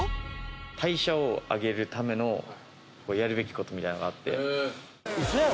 代謝を上げるためのやるべきことみたいのがあってうそやろ？